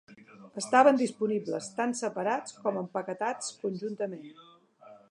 Estaven disponibles, tant separats com empaquetats conjuntament.